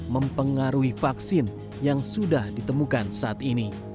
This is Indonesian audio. mempengaruhi vaksin yang sudah ditemukan saat ini